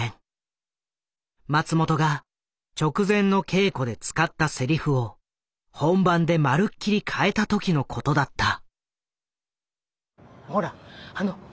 松本が直前の稽古で使ったセリフを本番でまるっきり変えた時のことだった。